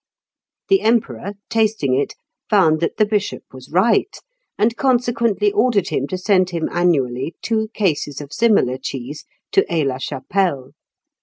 The Emperor, tasting it, found that the bishop was right; and consequently ordered him to send him annually two cases of similar cheese to Aix la Chapelle.